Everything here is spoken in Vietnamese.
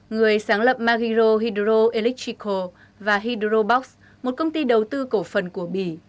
người sáng lập magiro hydro electrical và hydrobox một công ty đầu tư cổ phần của bỉ